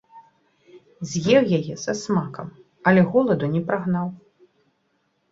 З'еў яе са смакам, але голаду не прагнаў.